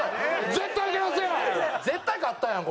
絶対勝ったやんこれ。